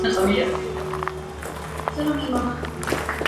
Es la única orquídea con fuertes sospechas de que sea carnívora.